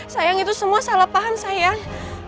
sayang itu semua salah paham sayang